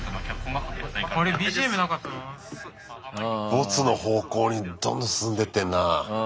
ボツの方向にどんどん進んでってんな。